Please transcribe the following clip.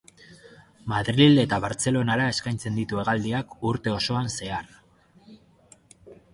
Madril eta Bartzelonara eskaintzen ditu hegaldiak urte osoan zehar.